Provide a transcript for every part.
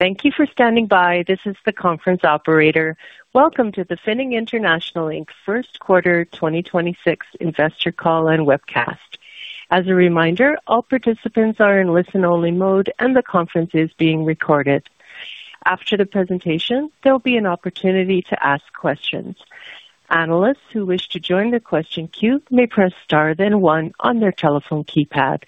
Thank you for standing by. This is the conference operator. Welcome to the Finning International Inc. Q1 2026 investor call and webcast. As a reminder, all participants are in listen-only mode, and the conference is being recorded. After the presentation, there will be an opportunity to ask questions. Analysts who wish to join the question queue may press star then one on their telephone keypad.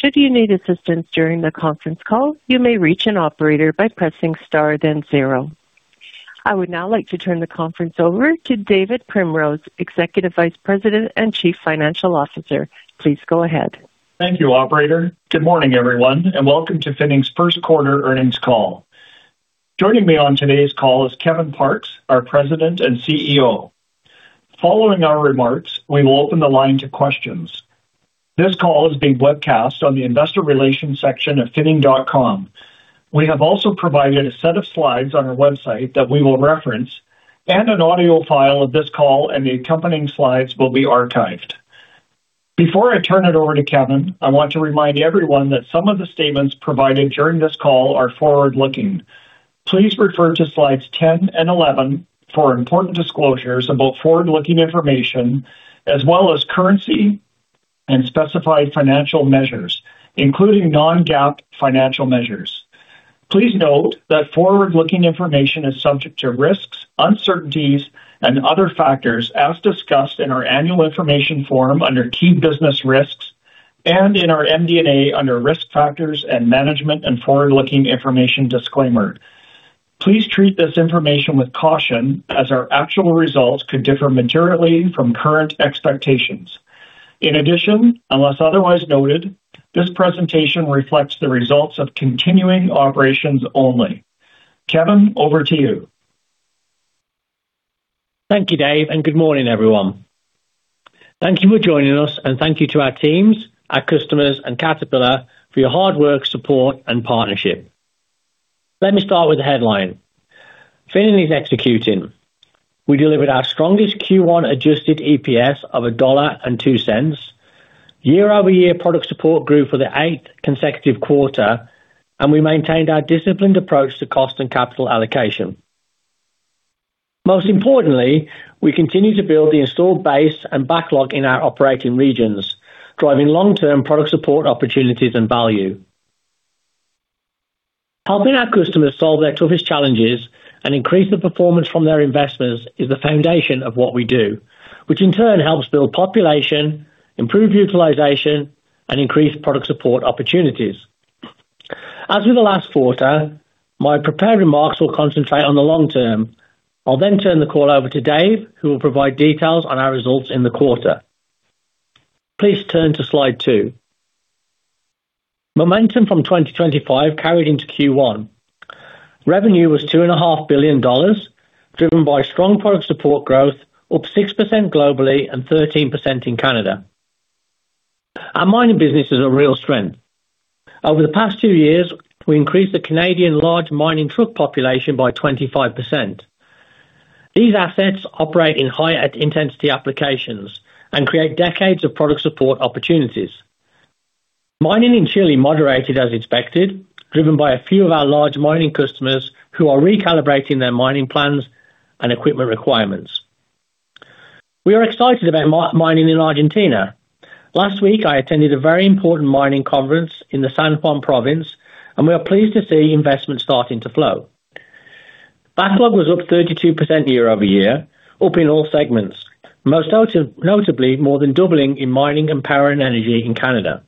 Should you need assistance during the conference call, you may reach an operator by pressing star then zero. I would now like to turn the conference over to David Primrose, Executive Vice President and Chief Financial Officer. Please go ahead. Thank you, operator. Good morning, everyone, and welcome to Finning's Q1 earnings call. Joining me on today's call is Kevin Parkes, our President and CEO. Following our remarks, we will open the line to questions. This call is being webcast on the investor relations section of finning.com. We have also provided a set of slides on our website that we will reference, and an audio file of this call and the accompanying slides will be archived. Before I turn it over to Kevin, I want to remind everyone that some of the statements provided during this call are forward-looking. Please refer to slides 10 and 11 for important disclosures about forward-looking information as well as currency and specified financial measures, including non-GAAP financial measures. Please note that forward-looking information is subject to risks, uncertainties, and other factors as discussed in our annual information form under key business risks and in our MD&A under Risk Factors and Management and Forward-Looking Information Disclaimer. Please treat this information with caution as our actual results could differ materially from current expectations. Unless otherwise noted, this presentation reflects the results of continuing operations only. Kevin, over to you. Thank you, Dave. Good morning, everyone. Thank you for joining us, and thank you to our teams, our customers and Caterpillar for your hard work, support and partnership. Let me start with the headline. Finning is executing. We delivered our strongest Q1 adjusted EPS of 1.02 dollar. Year-over-year product support grew for the eighth consecutive quarter, and we maintained our disciplined approach to cost and capital allocation. Most importantly, we continue to build the installed base and backlog in our operating regions, driving long-term product support opportunities and value. Helping our customers solve their toughest challenges and increase the performance from their investors is the foundation of what we do, which in turn helps build population, improve utilization, and increase product support opportunities. As with the last quarter, my prepared remarks will concentrate on the long term. I'll turn the call over to Dave, who will provide details on our results in the quarter. Please turn to slide 2. Momentum from 2025 carried into Q1. Revenue was 2.5 billion dollars, driven by strong product support growth, up 6% globally and 13% in Canada. Our mining business is a real strength. Over the past two years, we increased the Canadian large mining truck population by 25%. These assets operate in high intensity applications and create decades of product support opportunities. Mining in Chile moderated as expected, driven by a few of our large mining customers who are recalibrating their mining plans and equipment requirements. We are excited about mining in Argentina. Last week, I attended a very important mining conference in the San Juan province, and we are pleased to see investment starting to flow. Backlog was up 32% year-over-year, up in all segments, most notably more than doubling in mining and power and energy in Canada.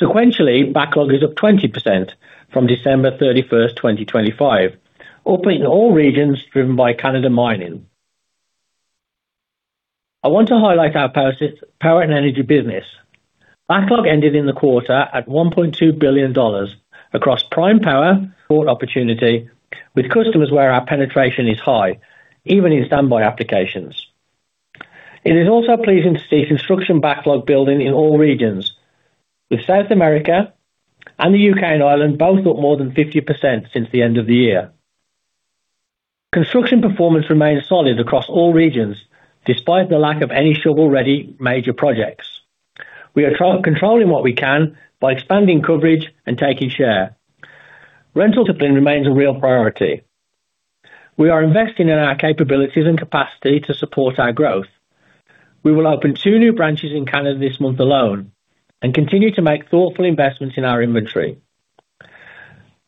Sequentially, backlog is up 20% from December 31, 2025, up in all regions driven by Canada mining. I want to highlight our power and energy business. Backlog ended in the quarter at 1.2 billion dollars across prime power opportunity with customers where our penetration is high even in standby applications. It is also pleasing to see construction backlog building in all regions, with South America and the U.K. and Ireland both up more than 50% since the end of the year. Construction performance remains solid across all regions, despite the lack of any shovel-ready major projects. We are controlling what we can by expanding coverage and taking share. Rental discipline remains a real priority. We are investing in our capabilities and capacity to support our growth. We will open two new branches in Canada this month alone and continue to make thoughtful investments in our inventory.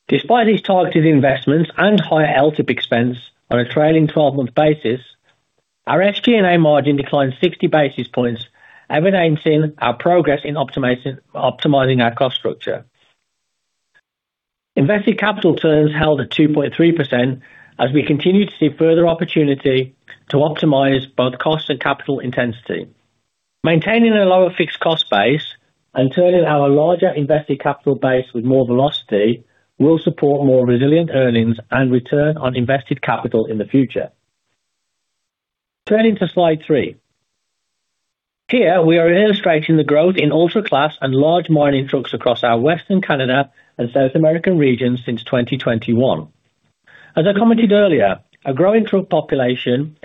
Despite these targeted investments and higher LTIP expense on a trailing 12-month basis, our SG&A margin declined 60 basis points, evidencing our progress in optimizing our cost structure. Invested capital turns held at 2.3% as we continue to see further opportunity to optimize both cost and capital intensity. Maintaining a lower fixed cost base and turning our larger invested capital base with more velocity will support more resilient earnings and return on invested capital in the future. Turning to slide 3. Here we are illustrating the growth in ultra-class and large mining trucks across our Western Canada and South American regions since 2021. As I commented earlier, a growing truck population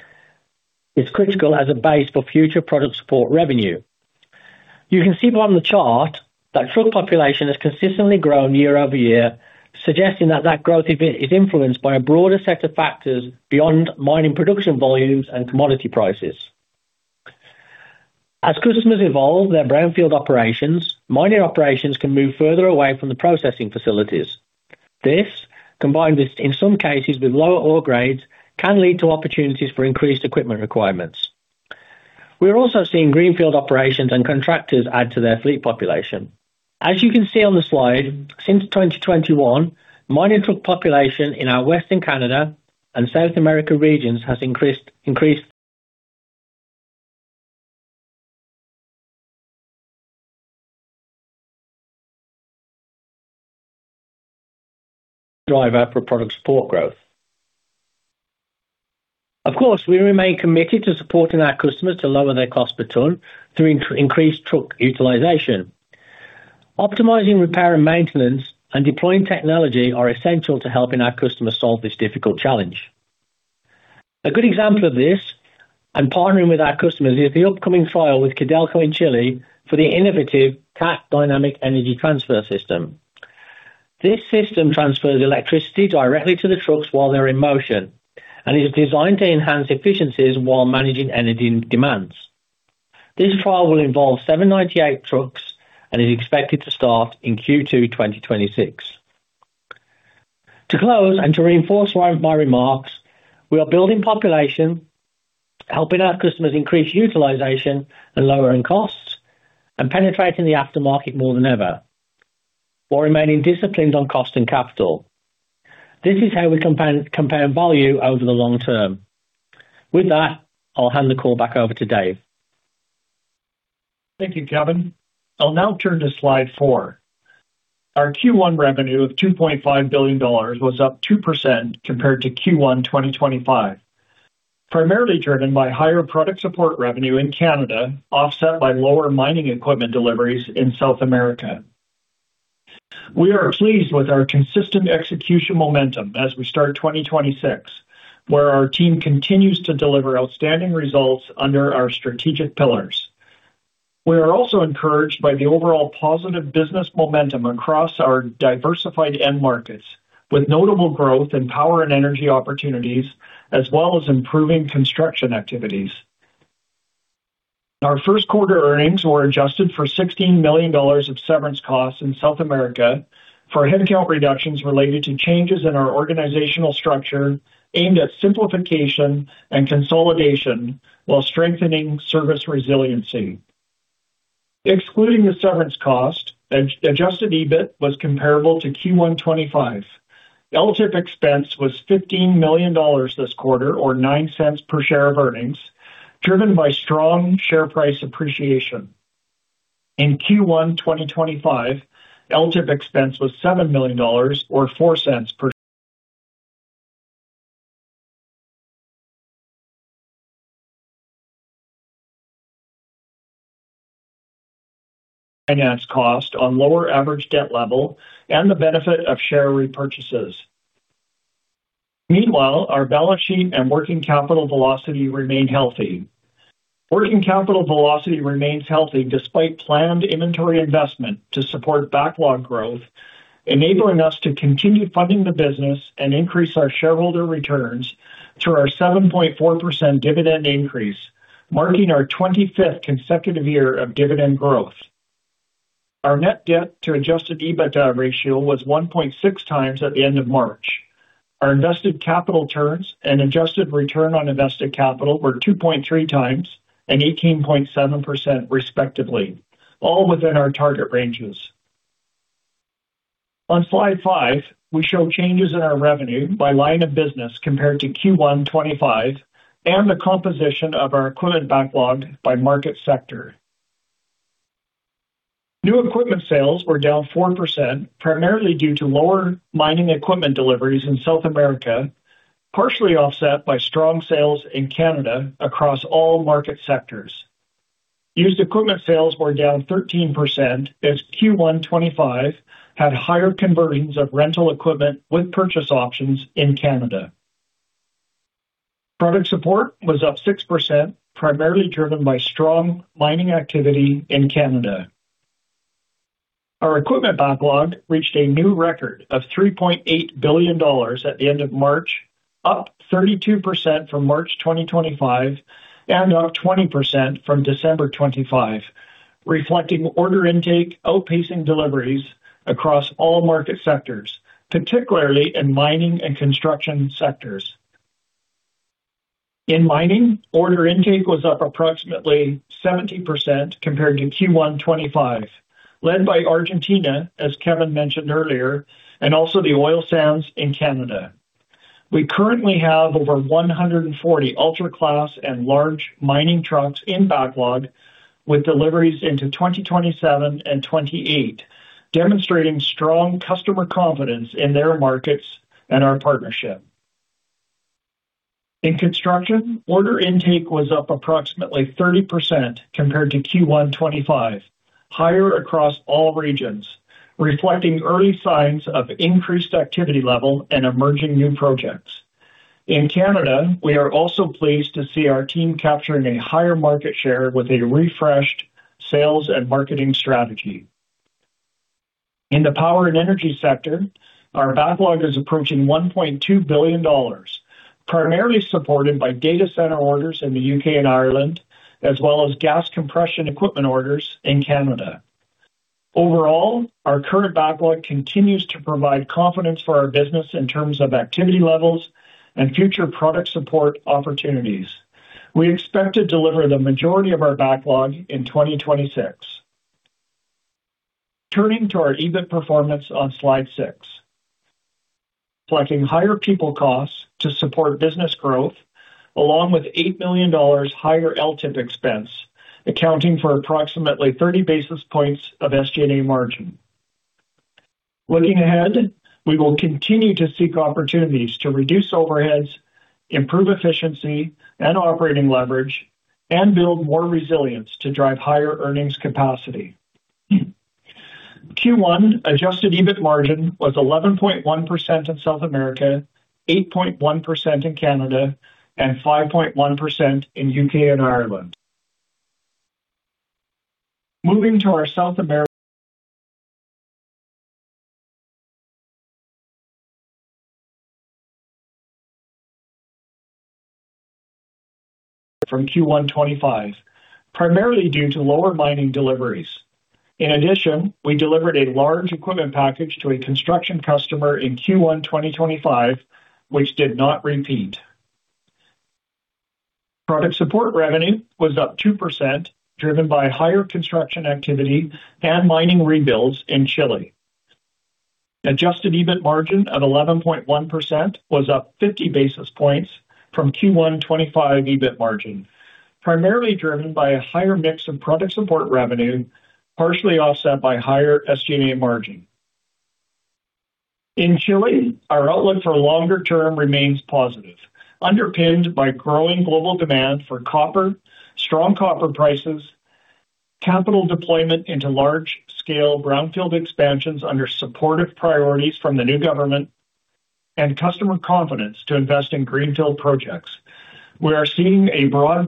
is critical as a base for future product support revenue. You can see from the chart that truck population has consistently grown year-over-year, suggesting that that growth is influenced by a broader set of factors beyond mining production volumes and commodity prices. As customers evolve their brownfield operations, mining operations can move further away from the processing facilities. This, combined with, in some cases, with lower ore grades, can lead to opportunities for increased equipment requirements. We're also seeing greenfield operations and contractors add to their fleet population. As you can see on the slide, since 2021, mining truck population in our Western Canada and South America regions has increased driver for product support growth. Of course, we remain committed to supporting our customers to lower their cost per ton through increased truck utilization. Optimizing repair and maintenance and deploying technology are essential to helping our customers solve this difficult challenge. A good example of this, and partnering with our customers, is the upcoming trial with Codelco in Chile for the innovative Cat Dynamic Energy Transfer system. This system transfers electricity directly to the trucks while they're in motion and is designed to enhance efficiencies while managing energy demands. This trial will involve 798 trucks and is expected to start in Q2 2026. To close and to reinforce my remarks, we are building population, helping our customers increase utilization and lowering costs, and penetrating the aftermarket more than ever while remaining disciplined on cost and capital. This is how we compare value over the long term. With that, I'll hand the call back over to Dave. Thank you, Kevin. I'll now turn to slide 4. Our Q1 revenue of 2.5 billion dollars was up 2% compared to Q1 2025, primarily driven by higher product support revenue in Canada, offset by lower mining equipment deliveries in South America. We are pleased with our consistent execution momentum as we start 2026, where our team continues to deliver outstanding results under our strategic pillars. We are also encouraged by the overall positive business momentum across our diversified end markets, with notable growth in power and energy opportunities, as well as improving construction activities. Our Q1 earnings were adjusted for 16 million dollars of severance costs in South America for headcount reductions related to changes in our organizational structure aimed at simplification and consolidation while strengthening service resiliency. Excluding the severance cost, adjusted EBIT was comparable to Q1 2025. LTIP expense was 15 million dollars this quarter, or 0.09 per share of earnings, driven by strong share price appreciation. In Q1 2025, LTIP expense was 7 million dollars or 0.04 finance cost on lower average debt level and the benefit of share repurchases. Meanwhile, our balance sheet and working capital velocity remain healthy. Working capital velocity remains healthy despite planned inventory investment to support backlog growth, enabling us to continue funding the business and increase our shareholder returns to our 7.4% dividend increase, marking our 25th consecutive year of dividend growth. Our net debt to adjusted EBITDA ratio was 1.6x at the end of March. Our invested capital turns and adjusted return on invested capital were 2.3x and 18.7% respectively, all within our target ranges. On slide 5, we show changes in our revenue by line of business compared to Q1 2025 and the composition of our equipment backlog by market sector. New equipment sales were down 4%, primarily due to lower mining equipment deliveries in South America, partially offset by strong sales in Canada across all market sectors. Used equipment sales were down 13% as Q1 2025 had higher conversions of rental equipment with purchase options in Canada. Product support was up 6%, primarily driven by strong mining activity in Canada. Our equipment backlog reached a new record of 3.8 billion dollars at the end of March, up 32% from March 2025 and up 20% from December 2025, reflecting order intake outpacing deliveries across all market sectors, particularly in mining and construction sectors. In mining, order intake was up approximately 70% compared to Q1 2025, led by Argentina, as Kevin mentioned earlier, and also the oil sands in Canada. We currently have over 140 ultra-class and large mining trucks in backlog with deliveries into 2027 and 2028, demonstrating strong customer confidence in their markets and our partnership. In construction, order intake was up approximately 30% compared to Q1 2025, higher across all regions, reflecting early signs of increased activity level and emerging new projects. In Canada, we are also pleased to see our team capturing a higher market share with a refreshed sales and marketing strategy. In the power and energy sector, our backlog is approaching 1.2 billion dollars, primarily supported by data center orders in the U.K. and Ireland, as well as gas compression equipment orders in Canada. Overall, our current backlog continues to provide confidence for our business in terms of activity levels and future product support opportunities. We expect to deliver the majority of our backlog in 2026. Turning to our EBIT performance on slide 6. Reflecting higher people costs to support business growth, along with 8 million dollars higher LTIP expense, accounting for approximately 30 basis points of SG&A margin. Looking ahead, we will continue to seek opportunities to reduce overheads, improve efficiency and operating leverage, and build more resilience to drive higher earnings capacity. Q1 adjusted EBIT margin was 11.1% in South America, 8.1% in Canada, and 5.1% in U.K. and Ireland. Moving to our South America from Q1 2025, primarily due to lower mining deliveries. In addition, we delivered a large equipment package to a construction customer in Q1 2025, which did not repeat. Product support revenue was up 2%, driven by higher construction activity and mining rebuilds in Chile. Adjusted EBIT margin at 11.1% was up 50 basis points from Q1 2025 EBIT margin, primarily driven by a higher mix of product support revenue, partially offset by higher SG&A margin. In Chile, our outlook for longer term remains positive, underpinned by growing global demand for copper, strong copper prices, capital deployment into large-scale brownfield expansions under supportive priorities from the new government and customer confidence to invest in greenfield projects. We are seeing a broad-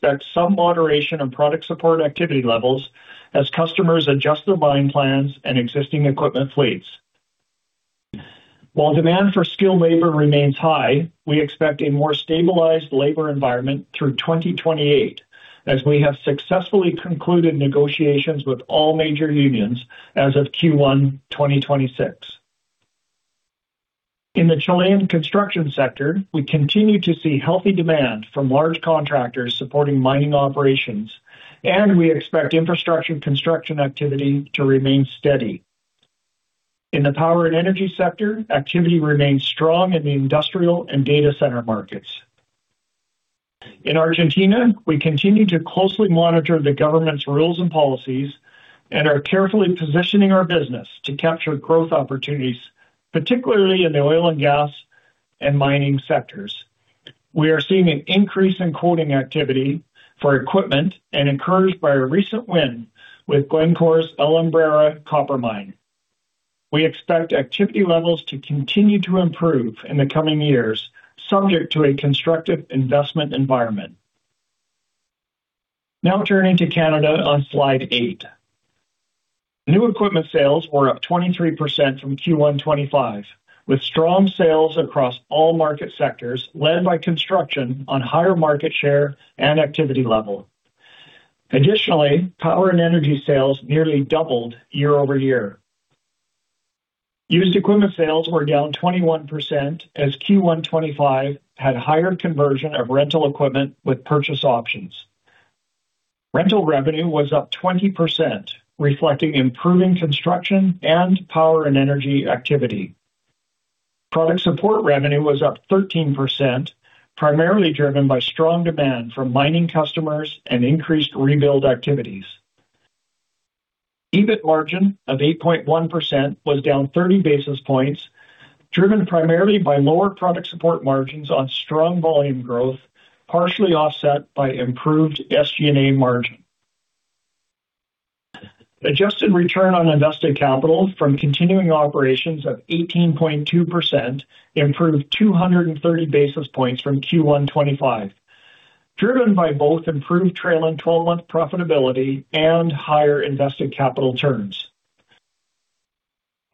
expect some moderation in product support activity levels as customers adjust their buying plans and existing equipment fleets. While demand for skilled labor remains high, we expect a more stabilized labor environment through 2028, as we have successfully concluded negotiations with all major unions as of Q1 2026. In the Chilean construction sector, we continue to see healthy demand from large contractors supporting mining operations, and we expect infrastructure and construction activity to remain steady. In the power and energy sector, activity remains strong in the industrial and data center markets. In Argentina, we continue to closely monitor the government's rules and policies and are carefully positioning our business to capture growth opportunities, particularly in the oil and gas and mining sectors. We are seeing an increase in quoting activity for equipment and encouraged by a recent win with Glencore's Alumbrera copper mine. We expect activity levels to continue to improve in the coming years, subject to a constructive investment environment. Now turning to Canada on slide 8. New equipment sales were up 23% from Q1 2025, with strong sales across all market sectors led by construction on higher market share and activity level. Additionally, power and energy sales nearly doubled year-over-year. Used equipment sales were down 21% as Q1 2025 had higher conversion of rental equipment with purchase options. Rental revenue was up 20%, reflecting improving construction and power and energy activity. Product support revenue was up 13%, primarily driven by strong demand from mining customers and increased rebuild activities. EBIT margin of 8.1% was down 30 basis points, driven primarily by lower product support margins on strong volume growth, partially offset by improved SG&A margin. Adjusted return on invested capital from continuing operations of 18.2% improved 230 basis points from Q1 2025, driven by both improved trailing 12-month profitability and higher invested capital turns.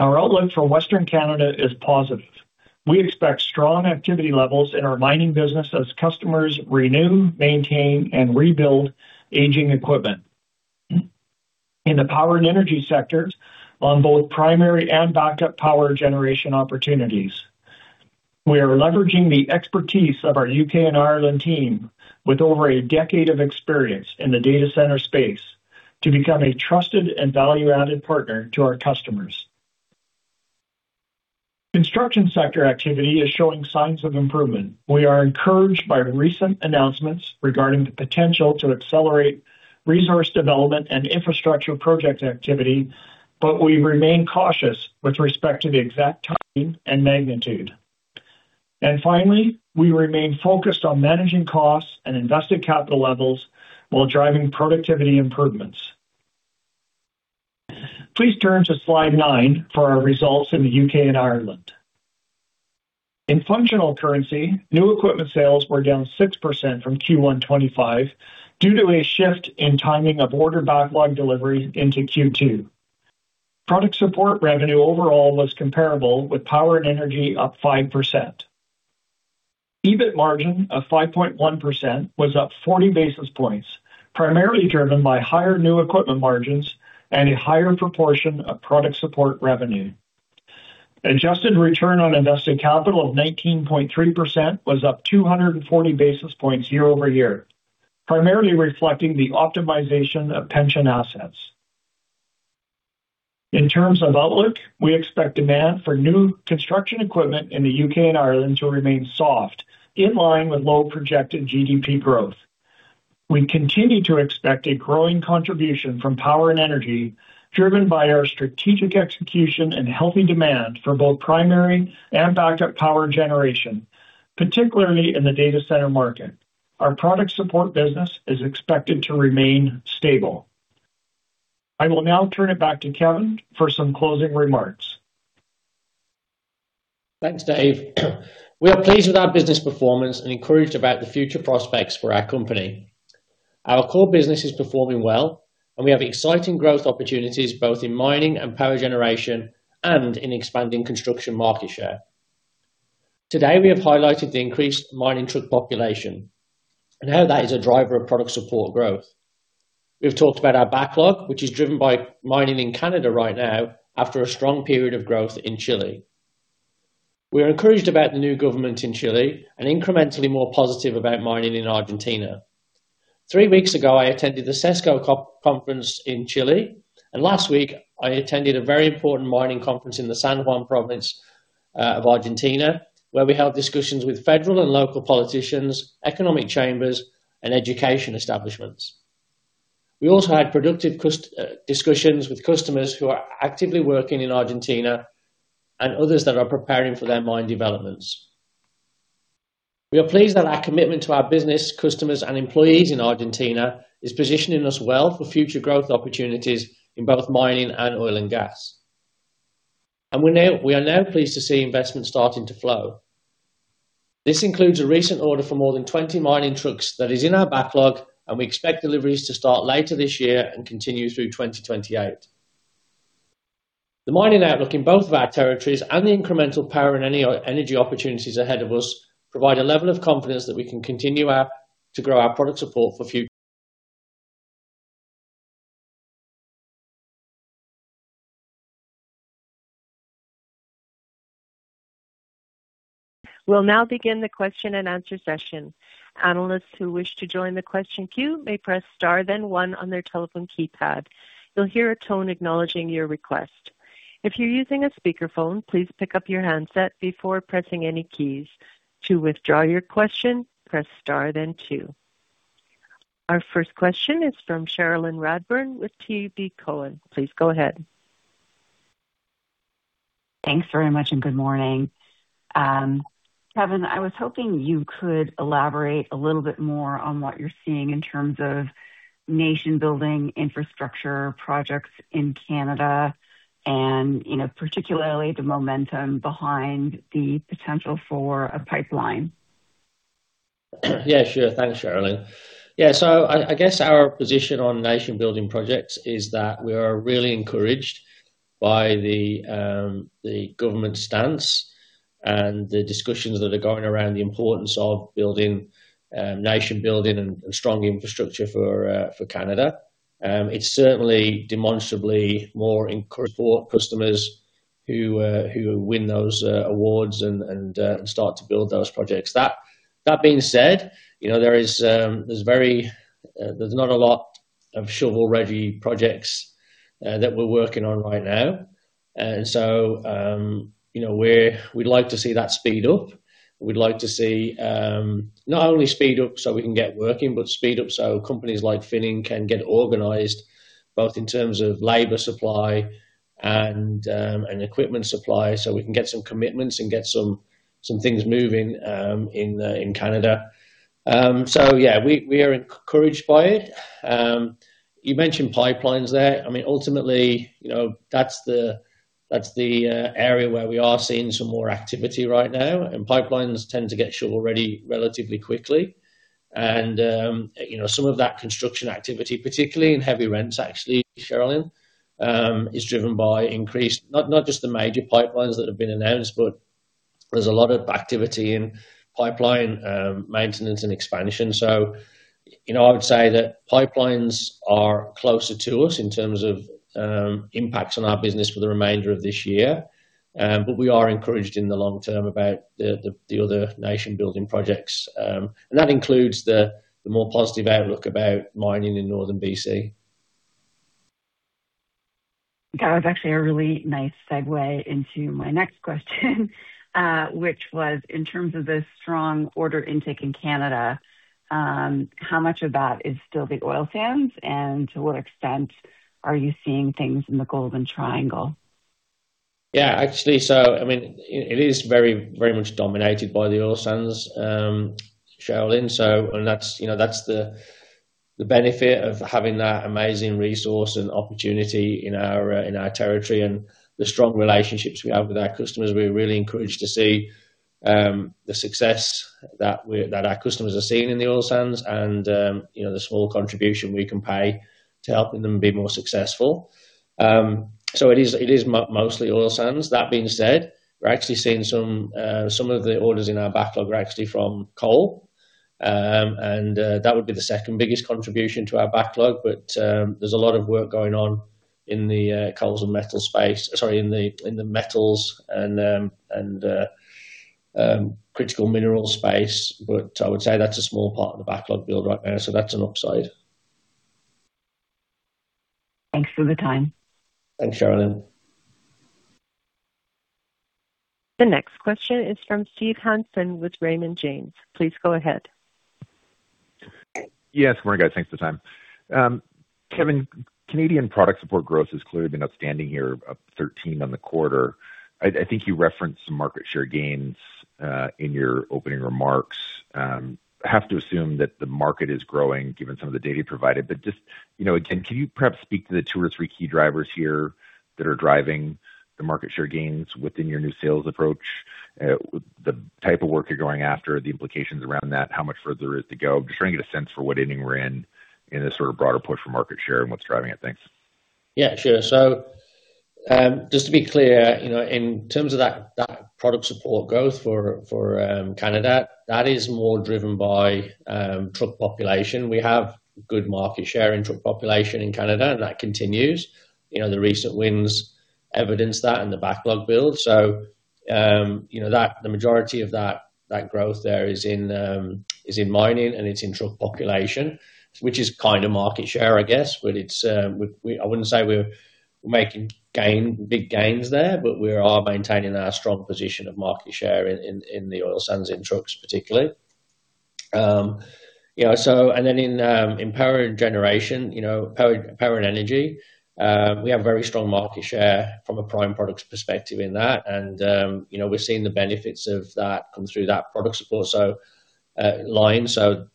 Our outlook for Western Canada is positive. We expect strong activity levels in our mining business as customers renew, maintain, and rebuild aging equipment. In the power and energy sectors on both primary and backup power generation opportunities, we are leveraging the expertise of our U.K. and Ireland team with over a decade of experience in the data center space to become a trusted and value-added partner to our customers. Construction sector activity is showing signs of improvement. We are encouraged by recent announcements regarding the potential to accelerate resource development and infrastructure project activity, we remain cautious with respect to the exact timing and magnitude. Finally, we remain focused on managing costs and invested capital levels while driving productivity improvements. Please turn to slide 9 for our results in the U.K. and Ireland. In functional currency, new equipment sales were down 6% from Q1 2025 due to a shift in timing of order backlog delivery into Q2. Product support revenue overall was comparable with power and energy up 5%. EBIT margin of 5.1% was up 40 basis points, primarily driven by higher new equipment margins and a higher proportion of product support revenue. Adjusted return on invested capital of 19.3% was up 240 basis points year-over-year, primarily reflecting the optimization of pension assets. In terms of outlook, we expect demand for new construction equipment in the U.K. and Ireland to remain soft in line with low projected GDP growth. We continue to expect a growing contribution from power and energy, driven by our strategic execution and healthy demand for both primary and backup power generation, particularly in the data center market. Our product support business is expected to remain stable. I will now turn it back to Kevin for some closing remarks. Thanks, Dave. We are pleased with our business performance and encouraged about the future prospects for our company. Our core business is performing well, and we have exciting growth opportunities both in mining and power generation and in expanding construction market share. Today, we have highlighted the increased mining truck population and how that is a driver of product support growth. We've talked about our backlog, which is driven by mining in Canada right now after a strong period of growth in Chile. We are encouraged about the new government in Chile and incrementally more positive about mining in Argentina. Three weeks ago, I attended the CESCO conference in Chile, and last week I attended a very important mining conference in the San Juan province of Argentina, where we held discussions with federal and local politicians, economic chambers, and education establishments. We also had productive discussions with customers who are actively working in Argentina and others that are preparing for their mine developments. We are pleased that our commitment to our business, customers, and employees in Argentina is positioning us well for future growth opportunities in both mining and oil and gas. We are now pleased to see investment starting to flow. This includes a recent order for more than 20 mining trucks that is in our backlog, and we expect deliveries to start later this year and continue through 2028. The mining outlook in both of our territories and the incremental power and energy opportunities ahead of us provide a level of confidence that we can continue to grow our product support for future. We'll now begin the question-and-answer session. Our first question is from Cherilyn Radbourne with TD Cowen. Please go ahead. Thanks very much. Good morning. Kevin, I was hoping you could elaborate a little bit more on what you're seeing in terms of nation-building infrastructure projects in Canada and, you know, particularly the momentum behind the potential for a pipeline. Yeah, sure. Thanks, Cherilyn. I guess our position on nation-building projects is that we are really encouraged by the government stance and the discussions that are going around the importance of building nation building and strong infrastructure for Canada. It's certainly demonstrably more encouraged for customers who win those awards and start to build those projects. That being said, you know, there's not a lot of shovel-ready projects that we're working on right now. You know, we'd like to see that speed up. We'd like to see not only speed up so we can get working, but speed up so companies like Finning can get organized, both in terms of labor supply and equipment supply, so we can get some commitments and get some things moving in Canada. Yeah, we are encouraged by it. You mentioned pipelines there. I mean, ultimately, you know, that's the area where we are seeing some more activity right now, pipelines tend to get shovel-ready relatively quickly. You know, some of that construction activity, particularly in heavy rents, actually, Cherilyn, is driven by increased Not just the major pipelines that have been announced, but there's a lot of activity in pipeline maintenance and expansion. You know, I would say that pipelines are closer to us in terms of impacts on our business for the remainder of this year. We are encouraged in the long term about the other nation-building projects. That includes the more positive outlook about mining in northern B.C. That was actually a really nice segue into my next question, which was in terms of the strong order intake in Canada, how much of that is still the oil sands? To what extent are you seeing things in the Golden Triangle? Yeah, actually. It is very, very much dominated by the oil sands, Cherilyn Radbourne. That's the benefit of having that amazing resource and opportunity in our territory and the strong relationships we have with our customers. We're really encouraged to see the success that our customers are seeing in the oil sands and the small contribution we can pay to helping them be more successful. It is mostly oil sands. That being said, we're actually seeing some of the orders in our backlog are actually from coal. That would be the second biggest contribution to our backlog. There's a lot of work going on in the metals and critical mineral space. I would say that's a small part of the backlog build right now, so that's an upside. Thanks for the time. Thanks, Cherilyn. The next question is from Steve Hansen with Raymond James. Please go ahead. Yes, morning, guys. Thanks for the time. Kevin, Canadian product support growth has clearly been outstanding here, up 13 on the quarter. I think you referenced some market share gains in your opening remarks. I have to assume that the market is growing given some of the data you provided. Just, you know, again, can you perhaps speak to the two or three key drivers here that are driving the market share gains within your new sales approach? The type of work you're going after, the implications around that, how much further is to go. Just trying to get a sense for what inning we're in this sort of broader push for market share and what's driving it. Thanks. Yeah, sure. Just to be clear, you know, in terms of that product support growth for Canada, that is more driven by truck population. We have good market share in truck population in Canada, and that continues. You know, the recent wins evidence that and the backlog build. You know that the majority of that growth there is in mining and it's in truck population, which is kind of market share, I guess. It's, I wouldn't say we're making big gains there, but we are maintaining our strong position of market share in the oil sands, in trucks particularly. You know, then in power and generation, you know, power and energy, we have very strong market share from a prime products perspective in that. You know, we're seeing the benefits of that come through that product support line.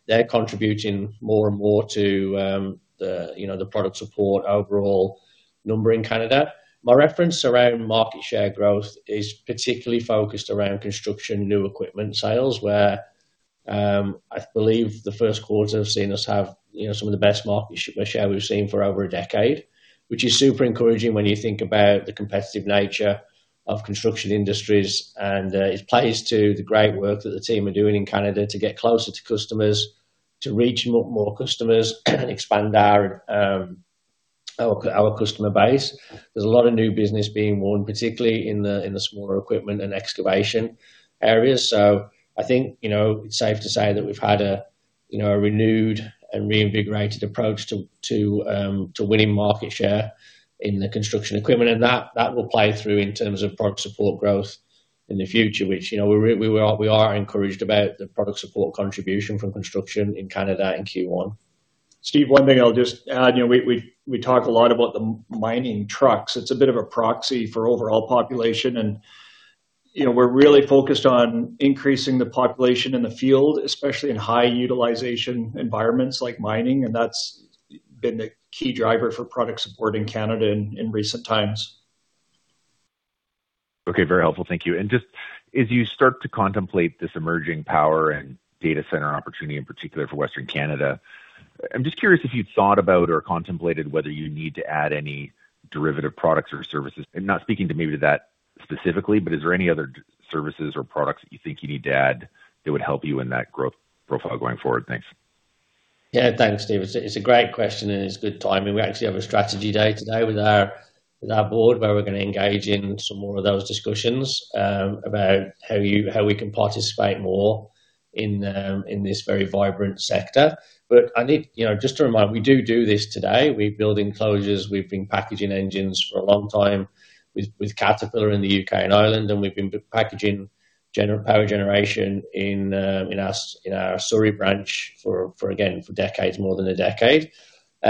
They're contributing more and more to the, you know, the product support overall number in Canada. My reference around market share growth is particularly focused around construction new equipment sales, where I believe the Q1 have seen us have, you know, some of the best market share we've seen for over 10 years, which is super encouraging when you think about the competitive nature of construction industries. It plays to the great work that the team are doing in Canada to get closer to customers, to reach more customers and expand our customer base. There's a lot of new business being won, particularly in the, in the smaller equipment and excavation areas. I think, you know, it's safe to say that we've had a, you know, a renewed and reinvigorated approach to winning market share in the construction equipment. That will play through in terms of product support growth in the future, which, you know, we are encouraged about the product support contribution from construction in Canada in Q1. Steve, one thing I'll just add, you know, we talk a lot about the mining trucks. It's a bit of a proxy for overall population and, you know, we're really focused on increasing the population in the field, especially in high utilization environments like mining, and that's been the key driver for product support in Canada in recent times. Okay. Very helpful. Thank you. Just as you start to contemplate this emerging power and data center opportunity, in particular for Western Canada, I'm just curious if you've thought about or contemplated whether you need to add any derivative products or services. Not speaking to maybe to that specifically, but is there any other services or products that you think you need to add that would help you in that growth profile going forward? Thanks. Yeah. Thanks, Steve. It's a great question, and it's good timing. We actually have a strategy day today with our board, where we're gonna engage in some more of those discussions about how we can participate more in this very vibrant sector. You know, just to remind, we do this today. We build enclosures. We've been packaging engines for a long time with Caterpillar in the U.K. and Ireland, and we've been packaging power generation in our Surrey branch for again, for decades, more than a decade. We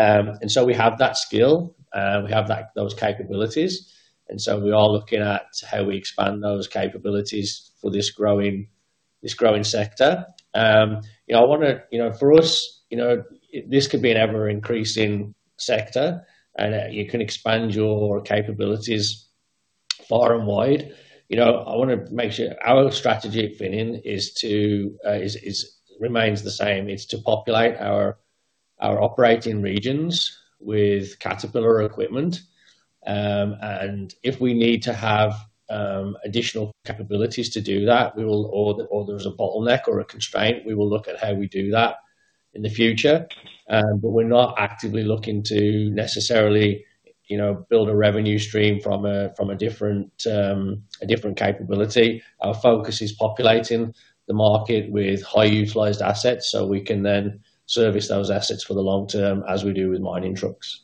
have that skill, we have those capabilities, and so we are looking at how we expand those capabilities for this growing sector. You know, for us, you know, this could be an ever-increasing sector, and you can expand your capabilities far and wide. You know, I wanna make sure our strategy at Finning is to is remains the same. It's to populate our operating regions with Caterpillar equipment, and if we need to have additional capabilities to do that, we will or there's a bottleneck or a constraint, we will look at how we do that in the future. We're not actively looking to necessarily, you know, build a revenue stream from a different capability. Our focus is populating the market with high utilized assets, so we can then service those assets for the long term as we do with mining trucks.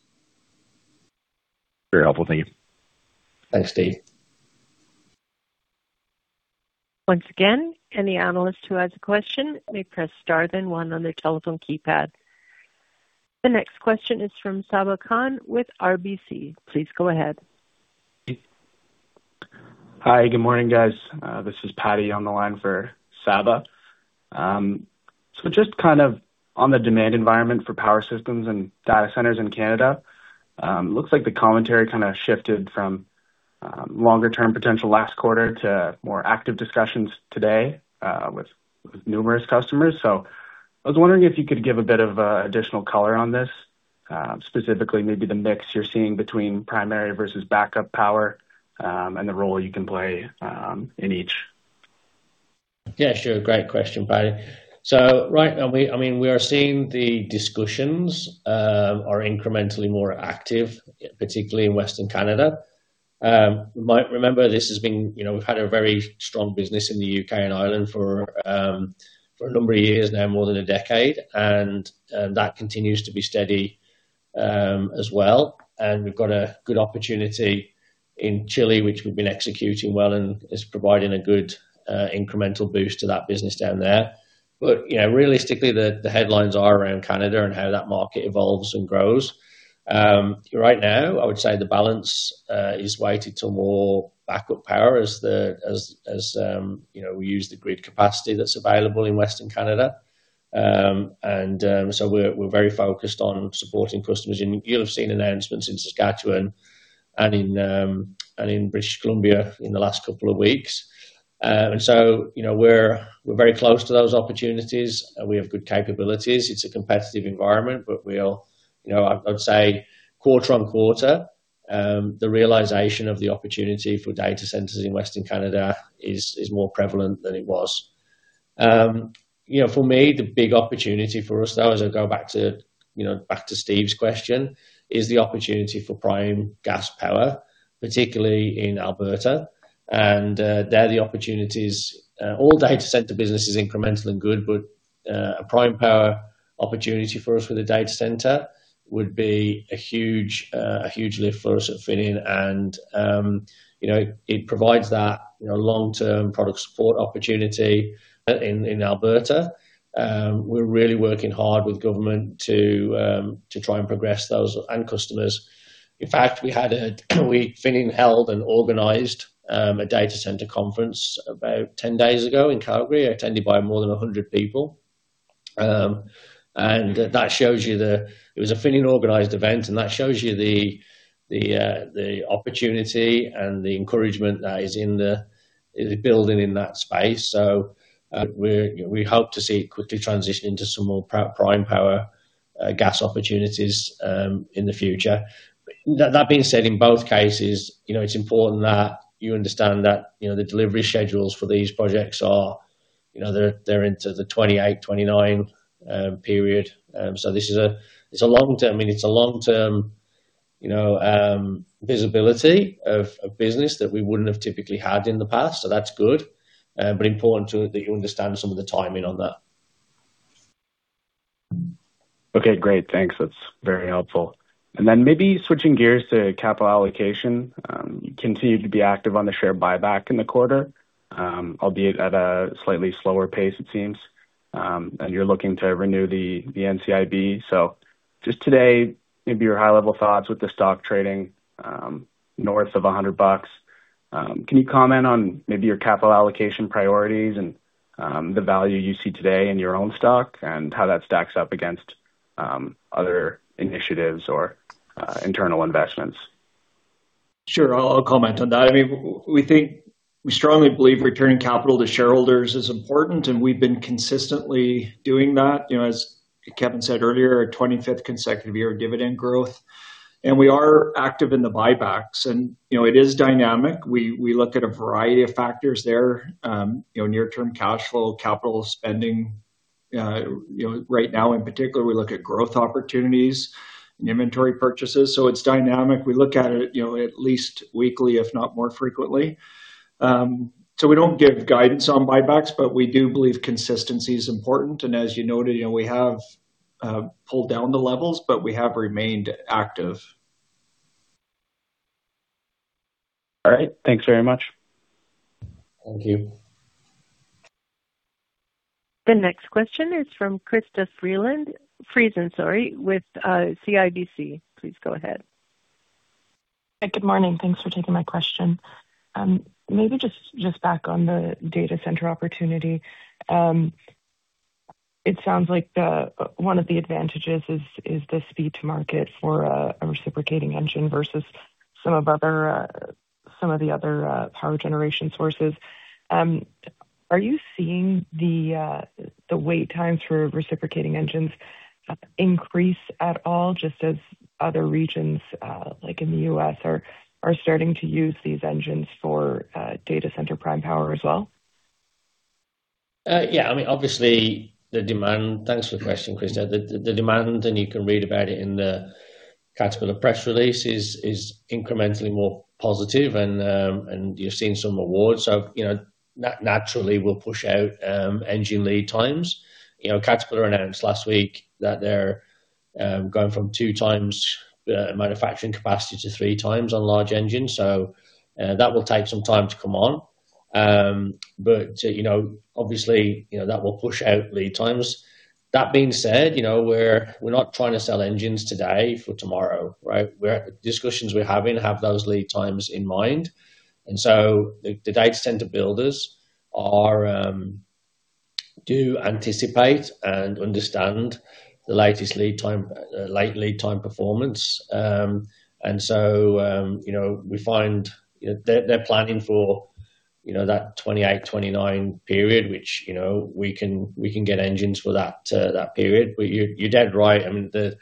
Very helpful. Thank you. Thanks, Steve. Once again, any analyst who has a question may press star then one on their telephone keypad. The next question is from Sabahat Khan with RBC. Please go ahead. Hi, good morning, guys. This is Patty on the line for Sabahat Khan. Just kind of on the demand environment for power systems and data centers in Canada, looks like the commentary kind of shifted from longer-term potential last quarter to more active discussions today with numerous customers. I was wondering if you could give a bit of additional color on this, specifically maybe the mix you're seeing between primary versus backup power, and the role you can play in each. Yeah, sure. Great question, Patty. Right now, I mean, we are seeing the discussions are incrementally more active, particularly in Western Canada. You might remember this has been, you know, we've had a very strong business in the U.K. and Ireland for a number of years now, more than a decade. That continues to be steady as well. We've got a good opportunity in Chile, which we've been executing well and is providing a good incremental boost to that business down there. You know, realistically, the headlines are around Canada and how that market evolves and grows. Right now, I would say the balance is weighted to more backup power as we use the grid capacity that's available in Western Canada. We're, we're very focused on supporting customers. You'll have seen announcements in Saskatchewan and in British Columbia in the last couple of weeks. You know, we're very close to those opportunities. We have good capabilities. It's a competitive environment, but we are, you know, I'd say quarter-on-quarter, the realization of the opportunity for data centers in Western Canada is more prevalent than it was. You know, for me, the big opportunity for us, though, as I go back to, you know, back to Steve's question, is the opportunity for prime gas power, particularly in Alberta. There the opportunities, all data center business is incremental and good, a prime power opportunity for us with a data center would be a huge lift for us at Finning. It provides that long-term product support opportunity in Alberta. We're really working hard with government to try and progress those and customers. In fact, Finning held and organized a data center conference about 10 days ago in Calgary, attended by more than 100 people. It was a Finning organized event. That shows you the opportunity and the encouragement that is in the building in that space. We hope to see it quickly transition into some more prime power gas opportunities in the future. That being said, in both cases, you know, it's important that you understand that, you know, the delivery schedules for these projects are, you know, they're into the 2028, 2029 period. This is a long term, I mean, it's a long term, you know, visibility of business that we wouldn't have typically had in the past. That's good. Important, too, that you understand some of the timing on that. Okay. Great. Thanks. That's very helpful. Maybe switching gears to capital allocation. You continued to be active on the share buyback in the quarter, albeit at a slightly slower pace, it seems. You're looking to renew the NCIB. Just today, maybe your high-level thoughts with the stock trading north of 100 bucks. Can you comment on maybe your capital allocation priorities and the value you see today in your own stock and how that stacks up against other initiatives or internal investments? Sure. I'll comment on that. I mean, we strongly believe returning capital to shareholders is important, and we've been consistently doing that. You know, as Kevin said earlier, our 25th consecutive year of dividend growth. We are active in the buybacks and, you know, it is dynamic. We look at a variety of factors there, you know, near-term cash flow, capital spending. You know, right now in particular, we look at growth opportunities and inventory purchases. It's dynamic. We look at it, you know, at least weekly, if not more frequently. We don't give guidance on buybacks, but we do believe consistency is important. As you noted, you know, we have pulled down the levels, but we have remained active. All right. Thanks very much. Thank you. The next question is from Krista Friesen. Friesen, sorry, with CIBC. Please go ahead. Good morning. Thanks for taking my question. Maybe just back on the data center opportunity. It sounds like one of the advantages is the speed to market for a reciprocating engine versus some of other, some of the other, power generation sources. Are you seeing the wait times for reciprocating engines increase at all just as other regions, like in the U.S. are starting to use these engines for data center prime power as well? Yeah. Thanks for the question, Krista. The demand, and you can read about it in the Caterpillar press release, is incrementally more positive. You're seeing some awards. You know, naturally we'll push out engine lead times. You know, Caterpillar announced last week that they're going from 2x manufacturing capacity to 3x on large engines. That will take some time to come on. You know, obviously, you know, that will push out lead times. That being said, you know, we're not trying to sell engines today for tomorrow, right? Discussions we're having have those lead times in mind, the data center builders are do anticipate and understand the late lead time performance. You know, we find, you know, they're planning for, you know, that 2028, 2029 period, which, you know, we can, we can get engines for that period. You, you're dead right. I mean, the,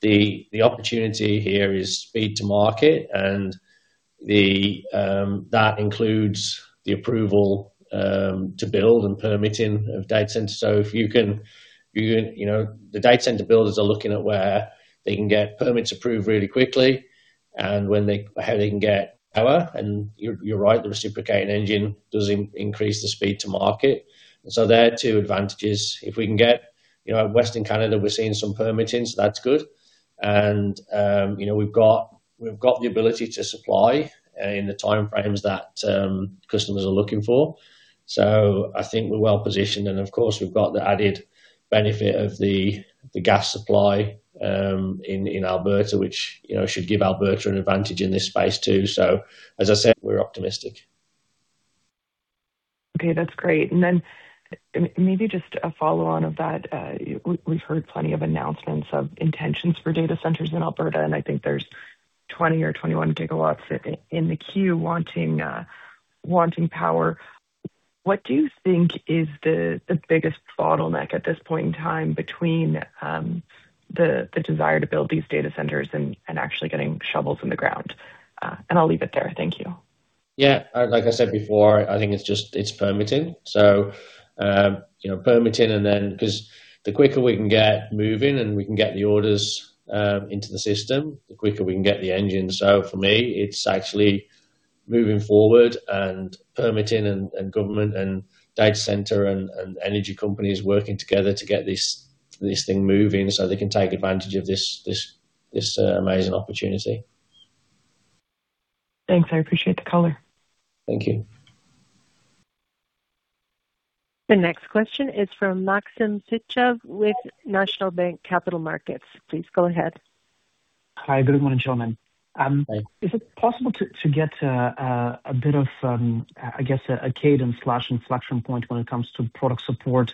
the opportunity here is speed to market and the that includes the approval to build and permitting of data centers. If you can, you know, the data center builders are looking at where they can get permits approved really quickly and how they can get power. You're right, the reciprocating engine does increase the speed to market. They are two advantages if we can get. You know, Western Canada, we're seeing some permitting, so that's good. You know, we've got the ability to supply in the time frames that customers are looking for. I think we're well-positioned. Of course, we've got the added benefit of the gas supply in Alberta, which, you know, should give Alberta an advantage in this space too. As I said, we're optimistic. Okay, that's great. Then maybe just a follow-on of that. We've heard plenty of announcements of intentions for data centers in Alberta. I think there's 20 GW or 21 GW in the queue wanting power. What do you think is the biggest bottleneck at this point in time between the desire to build these data centers and actually getting shovels in the ground? I'll leave it there. Thank you. Yeah. Like I said before, I think it's permitting. You know, permitting, 'cause the quicker we can get moving and we can get the orders into the system, the quicker we can get the engines. For me, it's actually moving forward and permitting and government and data center and energy companies working together to get this thing moving so they can take advantage of this amazing opportunity. Thanks. I appreciate the color. Thank you. The next question is from Maxim Sytchev with National Bank Capital Markets. Please go ahead. Hi, good morning, gentlemen. Hi. Is it possible to get a bit of I guess a cadence slash inflection point when it comes to product support?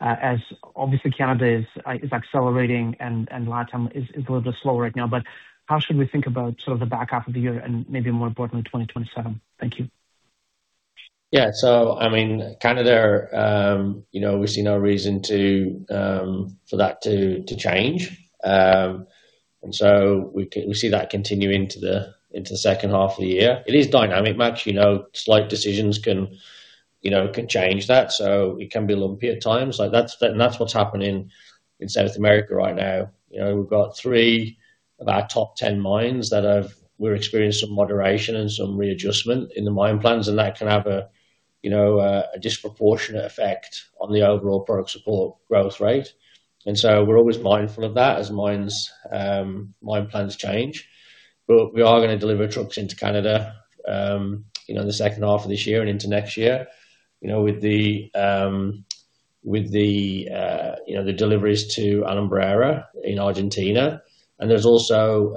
As obviously Canada is accelerating and LatAm is a little bit slow right now. How should we think about sort of the back half of the year and maybe more importantly, 2027? Thank you. I mean, Canada, you know, we see no reason for that to change. We see that continuing into the second half of the year. It is dynamic, Max. You know, slight decisions can change that, so it can be lumpy at times. That's what's happening in South America right now. You know, we've got 3 of our top 10 mines that have we're experiencing some moderation and some readjustment in the mine plans, that can have a disproportionate effect on the overall product support growth rate. We're always mindful of that as mines mine plans change. We are gonna deliver trucks into Canada, you know, in the second half of this year and into next year. You know, with the, you know, the deliveries to Alumbrera in Argentina. There's also,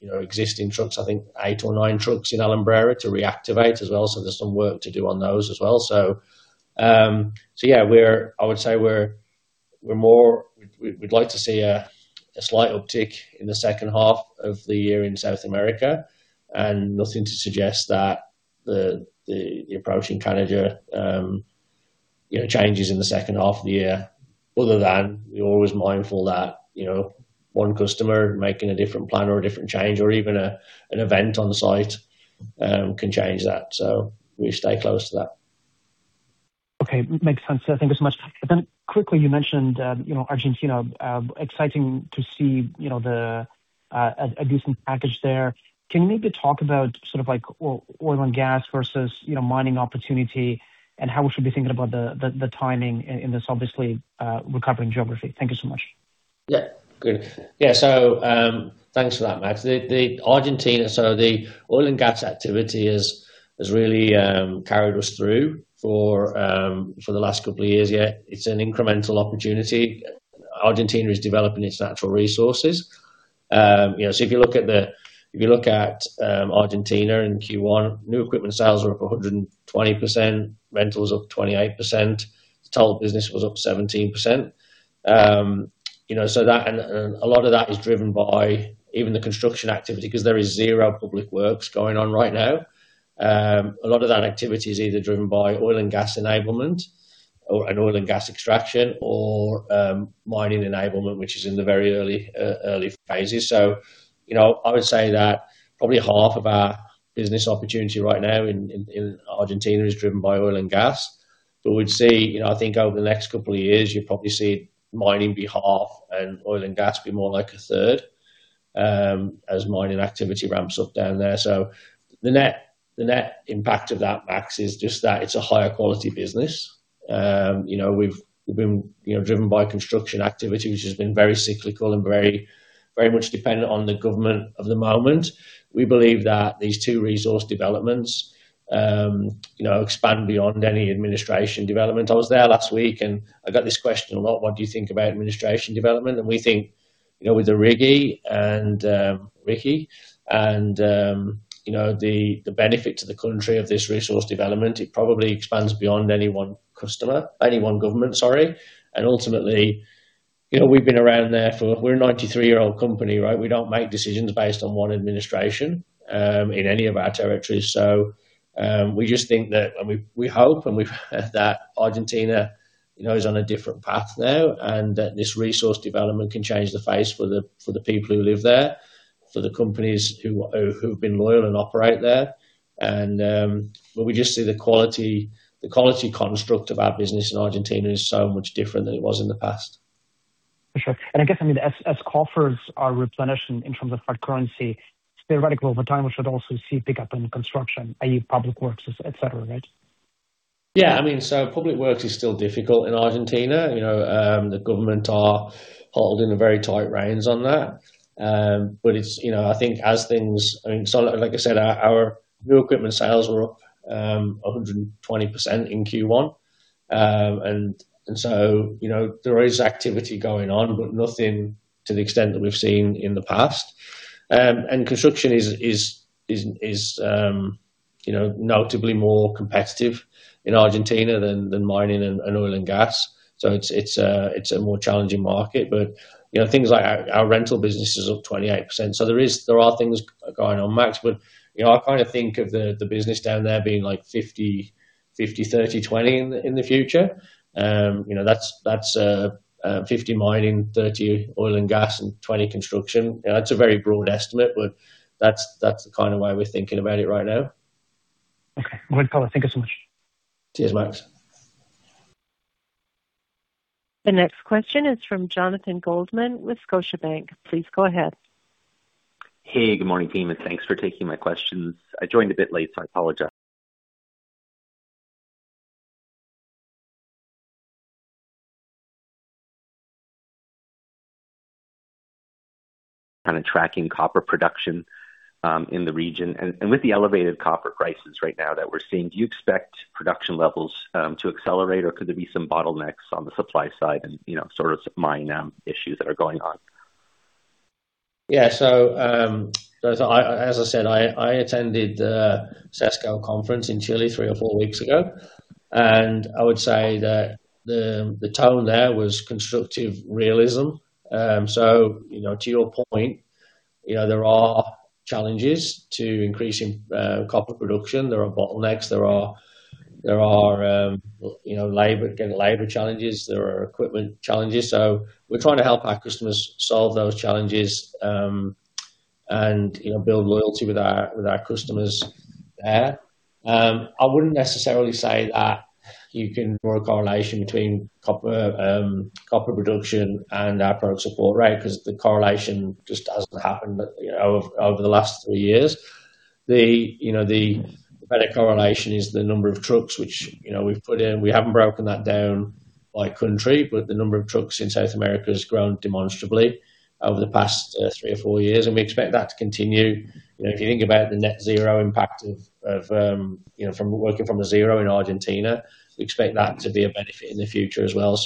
you know, existing trucks, I think eight or nine trucks in Alumbrera to reactivate as well. There's some work to do on those as well. I would say we're more, we'd like to see a slight uptick in the H2 of the year in South America and nothing to suggest that the approach in Canada, you know, changes in the H2 of the year other than you're always mindful that, you know, one customer making a different plan or a different change or even an event on site can change that. We stay close to that. Okay. Makes sense. Thank you so much. Quickly, you mentioned, you know, Argentina. Exciting to see, you know, a decent package there. Can you maybe talk about sort of like oil and gas versus, you know, mining opportunity and how we should be thinking about the timing in this obviously recovering geography? Thank you so much. Thanks for that, Max. The Argentina, the oil and gas activity has really carried us through for the last couple of years. It's an incremental opportunity. Argentina is developing its natural resources. You know, if you look at Argentina in Q1, new equipment sales were up 120%, rentals up 28%. Total business was up 17%. You know, and a lot of that is driven by even the construction activity 'cause there is zero public works going on right now. A lot of that activity is either driven by oil and gas enablement or oil and gas extraction or mining enablement, which is in the very early phases. You know, I would say that probably half of our business opportunity right now in Argentina is driven by oil and gas. We'd see, you know, I think over the next couple of years, you'll probably see mining be half and oil and gas be more like a third as mining activity ramps up down there. The net impact of that, Max, is just that it's a higher quality business. You know, we've been, you know, driven by construction activity which has been very cyclical and very much dependent on the government of the moment. We believe that these two resource developments, you know, expand beyond any administration development. I was there last week, and I got this question a lot: "What do you think about administration development?" We think, with the Riggy and Ricky and the benefit to the country of this resource development, it probably expands beyond any one government. Ultimately, we're a 93-year-old company, right? We don't make decisions based on one administration in any of our territories. We just think that, and we hope that Argentina is on a different path now, and that this resource development can change the face for the people who live there, for the companies who have been loyal and operate there. We just see the quality construct of our business in Argentina is so much different than it was in the past. For sure. I guess, I mean, as coffers are replenished in terms of hard currency, theoretically over time we should also see pickup in construction, i.e. public works, et cetera, right? Yeah, I mean, public works is still difficult in Argentina. You know, the government are holding the very tight reins on that. It's, you know, I think as things I mean, like I said, our new equipment sales were up 120% in Q1. You know, there is activity going on, nothing to the extent that we've seen in the past. Construction is, you know, notably more competitive in Argentina than mining and oil and gas. It's, it's a more challenging market. You know, things like our rental business is up 28%. There are things going on, Max. You know, I kind of think of the business down there being like 50, 30, 20 in the future. You know, that's 50 mining, 30 oil and gas, and 20 construction. You know, it's a very broad estimate, but that's the kind of way we're thinking about it right now. Okay. Well, thank you so much. Cheers, Max. The next question is from Jonathan Goldman with Scotiabank. Please go ahead. Hey, good morning, team, and thanks for taking my questions. I joined a bit late, so I apologize kind of tracking copper production, in the region. With the elevated copper prices right now that we're seeing, do you expect production levels to accelerate, or could there be some bottlenecks on the supply side and, you know, sort of mine issues that are going on? As I said, I attended the CESCO conference in Chile three or four weeks ago, and I would say that the tone there was constructive realism. You know, to your point, you know, there are challenges to increasing copper production. There are bottlenecks. There are, you know, again, labor challenges. There are equipment challenges. We're trying to help our customers solve those challenges, and, you know, build loyalty with our customers there. I wouldn't necessarily say that you can draw a correlation between copper production and our product support, right? 'Cause the correlation just hasn't happened, you know, over the last three years. You know, the better correlation is the number of trucks which, you know, we've put in. We haven't broken that down by country. The number of trucks in South America has grown demonstrably over the past three or four years. We expect that to continue. You know, if you think about the net zero impact of, you know, from working from a zero in Argentina, we expect that to be a benefit in the future as well.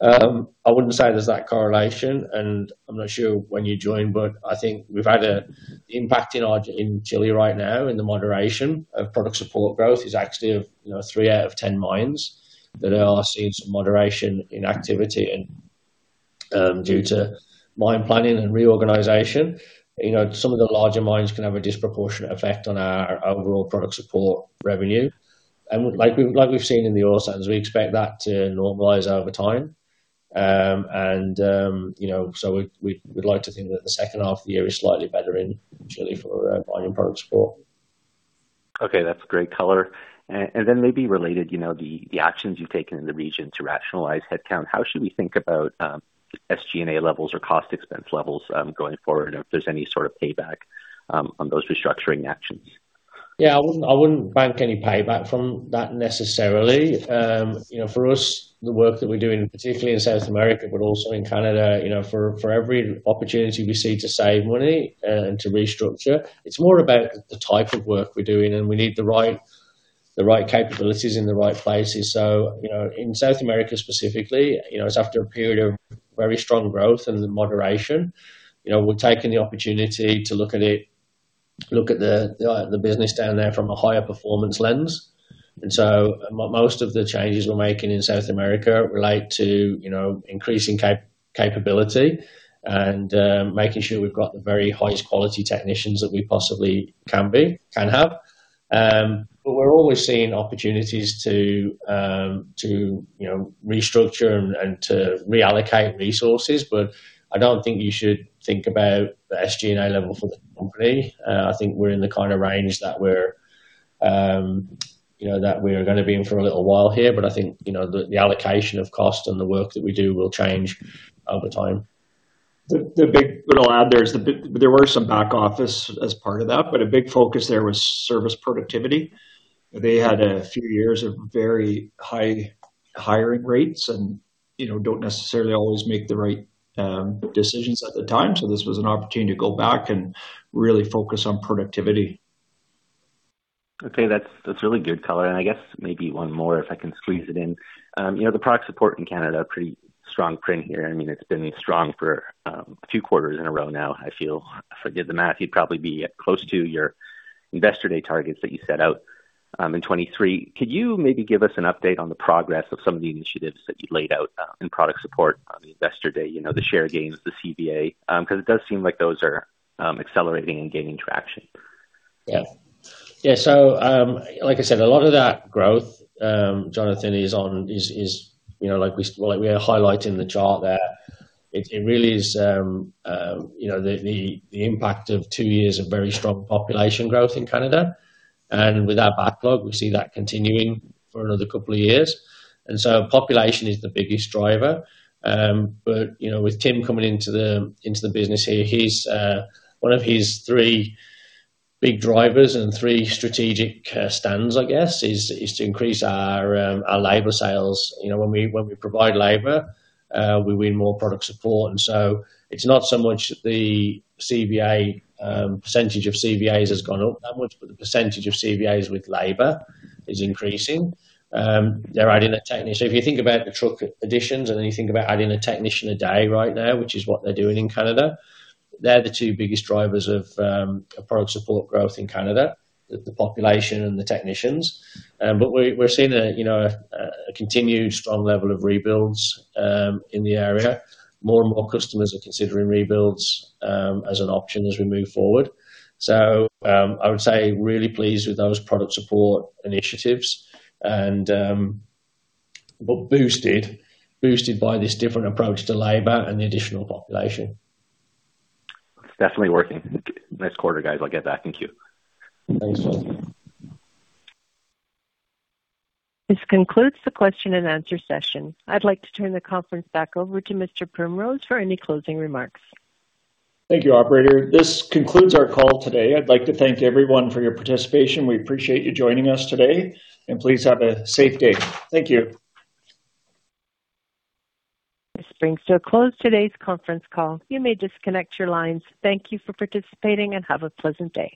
I wouldn't say there's that correlation. I'm not sure when you joined, but I think we've had a impact in Chile right now in the moderation of product support growth is actually of, you know, 3 out of 10 mines that are seeing some moderation in activity due to mine planning and reorganization. You know, some of the larger mines can have a disproportionate effect on our overall product support revenue. Like we've seen in the Oil Sands, we expect that to normalize over time. You know, so we'd like to think that the H2 of the year is slightly better in Chile for mining product support. Okay. That's great color. Maybe related, you know, the actions you've taken in the region to rationalize headcount. How should we think about SG&A levels or cost expense levels going forward and if there's any sort of payback on those restructuring actions? I wouldn't bank any payback from that necessarily. You know, for us, the work that we're doing, particularly in South America, but also in Canada, you know, for every opportunity we see to save money and to restructure, it's more about the type of work we're doing, and we need the right capabilities in the right places. You know, in South America specifically, you know, it's after a period of very strong growth and the moderation. You know, we're taking the opportunity to look at it, look at the business down there from a higher performance lens. Most of the changes we're making in South America relate to, you know, increasing capability and making sure we've got the very highest quality technicians that we possibly can have. We're always seeing opportunities to, you know, restructure and to reallocate resources. I don't think you should think about the SG&A level for the company. I think we're in the kind of range that we're, you know, that we are gonna be in for a little while here, but I think, you know, the allocation of cost and the work that we do will change over time. What I'll add there is the big. There were some back office as part of that, but a big focus there was service productivity. They had a few years of very high hiring rates and, you know, don't necessarily always make the right decisions at the time. This was an opportunity to go back and really focus on productivity. Okay. That's really good color. I guess maybe one more, if I can squeeze it in. You know, the product support in Canada, pretty strong print here. I mean, it's been strong for a few quarters in a row now, I feel. Forgive the math, you'd probably be close to your Investor Day targets that you set out in 2023. Could you maybe give us an update on the progress of some of the initiatives that you laid out in product support on the Investor Day? You know, the share gains, the CVA. Because it does seem like those are accelerating and gaining traction. Yeah. Yeah. Like I said, a lot of that growth, Jonathan, is, you know, like we highlight in the chart there. It really is, you know, the impact of two years of very strong population growth in Canada. With our backlog, we see that continuing for another couple of years. Population is the biggest driver. You know, with Tim coming into the business here, he's one of his three big drivers and three strategic stands, I guess, is to increase our labor sales. You know, when we provide labor, we win more product support. It's not so much the CVA, percentage of CVAs has gone up that much, but the percentage of CVAs with labor is increasing. They're adding, so if you think about the truck additions, and then you think about adding a technician a day right now, which is what they're doing in Canada, they're the two biggest drivers of product support growth in Canada, the population and the technicians. But we're seeing a, you know, a continued strong level of rebuilds in the area. More and more customers are considering rebuilds as an option as we move forward. I would say really pleased with those product support initiatives and what boosted by this different approach to labor and the additional population. It's definitely working. Nice quarter, guys. I'll get back. Thank you. Thanks. Thanks. This concludes the question and answer session. I'd like to turn the conference back over to Mr. Primrose for any closing remarks. Thank you, operator. This concludes our call today. I'd like to thank everyone for your participation. We appreciate you joining us today, and please have a safe day. Thank you. This brings to a close today's conference call. You may disconnect your lines. Thank you for participating and have a pleasant day.